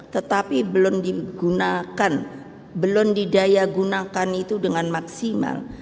tetapi belum digunakan belum didaya gunakan itu dengan maksimal